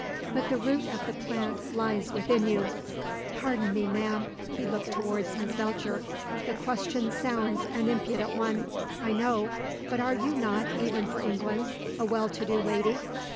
But the root of the plant lies within you. Pardon me, ma'am" he looked towards Miss Belcher "the question sounds an impudent one, I know, but are you not, even for England, a well to do lady?"